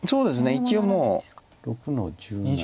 一応もう６の十七。